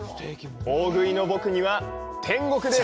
大食いの僕には天国です！